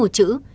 xóa mùa chữ